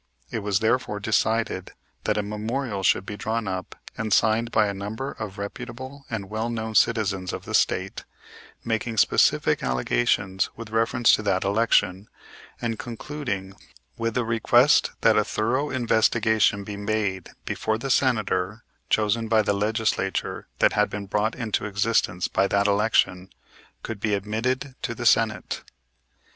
It was therefore decided that a memorial should be drawn up and signed by a number of reputable and well known citizens of the State, making specific allegations with reference to that election, and concluding with a request that a thorough investigation be made before the Senator, chosen by the Legislature that had been brought into existence by that election, could be admitted to the Senate.